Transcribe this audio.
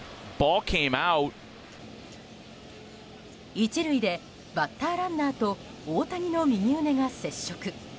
１塁でバッターランナーと大谷の右腕が接触。